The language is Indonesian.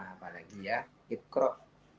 apalagi ya iqra'